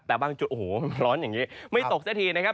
แต่บางจุดโอ้โหร้อนอย่างนี้ไม่ตกซะทีนะครับ